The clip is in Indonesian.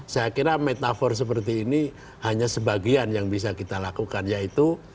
saya kira metafor seperti ini hanya sebagian yang bisa kita lakukan yaitu